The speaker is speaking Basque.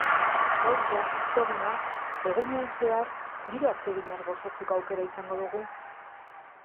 Gaurko, osteguna, egunean zehar, giro atseginaz gozatzeko aukera izango dugu.